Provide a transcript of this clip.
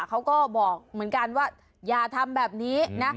เขาก็บอกเหมือนกันว่าอย่าทำแบบนี้นะ